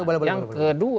oh boleh boleh boleh